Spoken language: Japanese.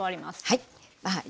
はい。